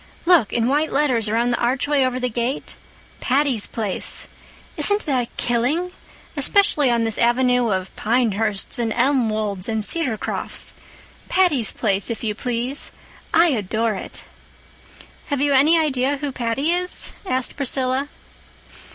"Look—in white letters, around the archway over the gate. 'Patty's Place.' Isn't that killing? Especially on this Avenue of Pinehursts and Elmwolds and Cedarcrofts? 'Patty's Place,' if you please! I adore it." "Have you any idea who Patty is?" asked Priscilla.